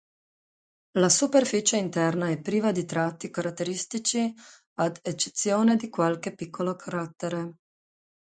La superficie interna è priva di tratti caratteristici, ad eccezione di qualche piccolo cratere.